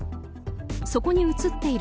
そこに写っている